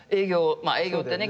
営業ってね